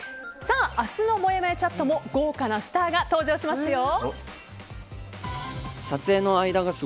明日のもやもやチャットも豪華なスターが登場しますよ。